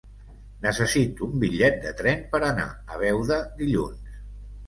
Necessito un bitllet de tren per anar a Beuda dilluns.